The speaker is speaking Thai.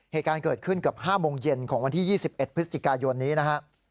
เหตุการณ์เกิดขึ้นเกือบ๕โมงเย็นของวันที่๒๑พฤศจิกายนนี้นะฮะ